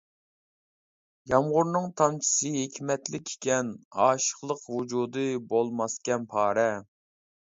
يامغۇرنىڭ تامچىسى ھېكمەتلىك ئىكەن، ئاشىقلىق ۋۇجۇدى بولماسكەن پارە.